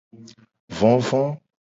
Vovo.